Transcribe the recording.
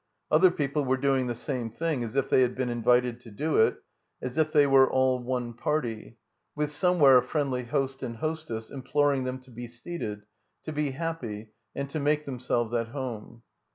Other people were doing the same thing as if they had been invited to do it, as if they were all one party, with somewhere a friendly host and hostess imploring them to be seated, to be happy and to make themselves at home.